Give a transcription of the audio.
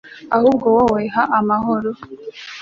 ahubwo wowe ha amahoro